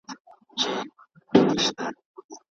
دا کتاب د انسان د زړه غږ دی.